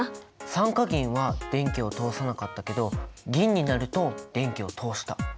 酸化銀は電気を通さなかったけど銀になると電気を通した。